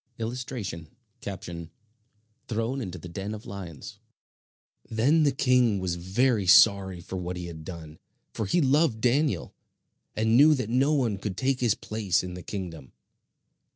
[Illustration: Thrown into the den of lions] Then the king was very sorry for what he had done, for he loved Daniel, and knew that no one could take his place in the kingdom.